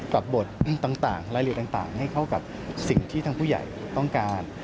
บทต่างรายละเอียดต่างให้เข้ากับสิ่งที่ทางผู้ใหญ่ต้องการ